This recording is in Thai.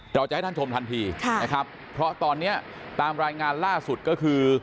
เราจะให้ท่านชมทันทีนะครับเพราะตอนนี้ตามรายงานล่าสุดก็คือ